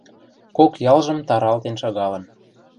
Кок ялжым таралтен шагалын.